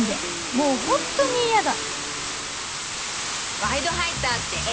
もうホントに嫌だ！